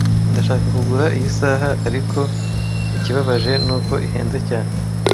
Ndashaka kugura iyi saha, ariko ikibabaje nuko ihenze cyane.